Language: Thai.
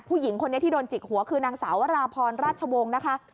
ผู้หญิงคนนี้ที่โดนจิกหัวคือนางสาววราพรราชวงศ์นะคะ